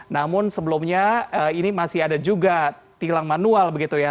namun sebelumnya ini masih ada juga tilang manual begitu ya